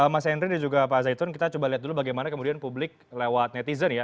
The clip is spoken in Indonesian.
mas henry dan juga pak zaitun kita coba lihat dulu bagaimana kemudian publik lewat netizen ya